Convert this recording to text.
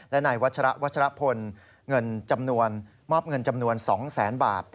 และในวัชรพลเงินจำนวน๒๐๐๐๐๐บาท